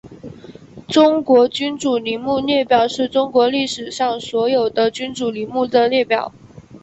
中国君主陵墓列表是中国历史上所有的君主陵墓的列表。